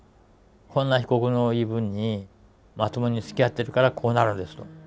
こんな被告の言い分にまともにつきあってるからこうなるんですと。